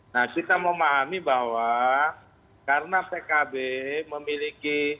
nah kita memahami bahwa karena pkb memiliki